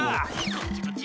こっちこっち！